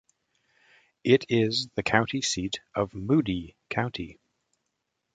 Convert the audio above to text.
It is the county seat of Moody County.